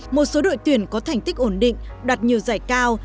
một số đội tuyển có thành tích ổn định đoạt nhiều giải cao